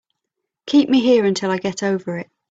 Keep me here until I get over it.